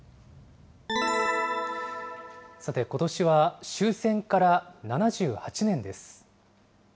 さて、ことしは終戦から７８年です。